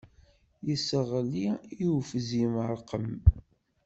Yesseɣli i ufzim ṛṛqem.